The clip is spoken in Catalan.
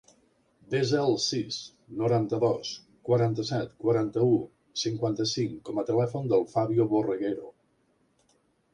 Desa el sis, noranta-dos, quaranta-set, quaranta-u, cinquanta-cinc com a telèfon del Fabio Borreguero.